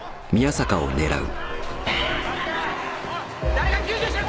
誰か救助しろ！